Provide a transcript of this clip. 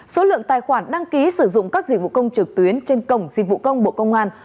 số lượng tài khoản đăng ký sử dụng các dịch vụ công trực tuyến trên cổng dịch vụ công bộ công an